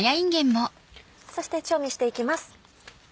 そして調味していきます。